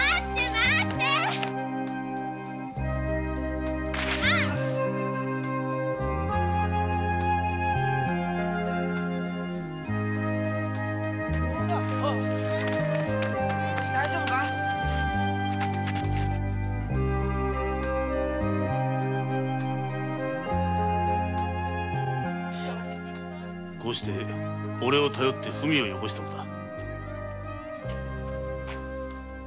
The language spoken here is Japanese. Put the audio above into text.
待ってあっこうしてオレを頼って文をよこしたのだ。